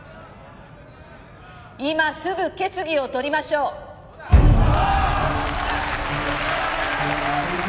今すぐ決議を採りましょうそうだ！